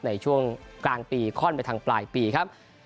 ในช่วงกลางปีค่อนไปทางปลายปีครับ